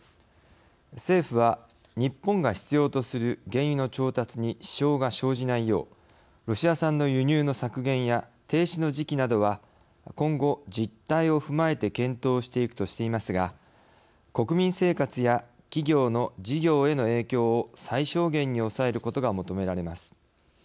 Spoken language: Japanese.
政府は日本が必要とする原油の調達に支障が生じないようロシア産の輸入の削減や停止の時期などは今後実態を踏まえて検討していくとしていますが国民生活や企業の事業への影響を最小限に抑えることが求められます。